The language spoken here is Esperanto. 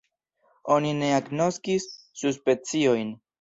Oni ne agnoskis subspeciojn.